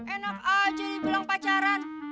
enak aja dibilang pacaran